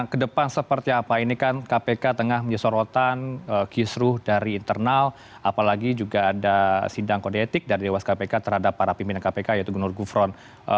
kedepan seperti apa ini kan kpk tengah menyesorotan kisruh dari internal apalagi juga ada sidang kode etik dari dewas kpk terhadap para pimpinan kpk yaitu gubernur gufron